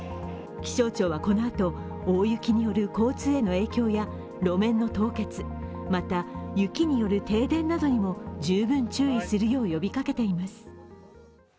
気象庁はこのあと、大雪による交通への影響や路面の凍結、また雪による停電などにも十分注意するよう呼びかけています。